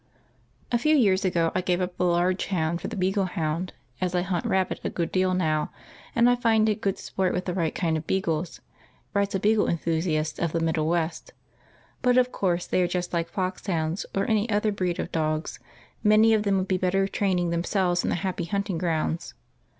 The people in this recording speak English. "A few years ago I gave up the large hound for the beagle hound, as I hunt rabbit a good deal now and I find it good sport with the right kind of beagles," writes a beagle enthusiast of the middle west, "but, of course, they are just like fox hounds or any other breed of dogs, many of them would be better training themselves in the happy hunting grounds.